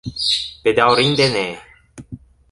Bedaŭrinde ne.